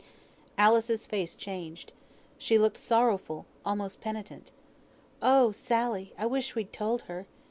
Alice's face changed; she looked sorrowful, almost penitent. "Oh, Sally! I wish we'd told her.